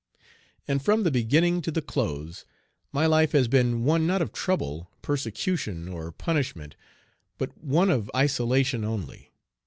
And from the beginning to the close my life has been one not of trouble, persecution, or punishment, but one of isolation only.